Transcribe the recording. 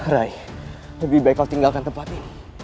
rai lebih baik kau tinggalkan tempat ini